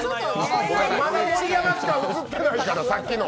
盛山しか映ってないから、さっきの。